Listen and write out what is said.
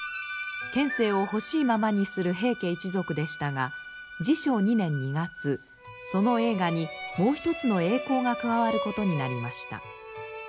権勢をほしいままにする平家一族でしたが治承２年２月その栄華にもう一つの栄光が加わることになりました。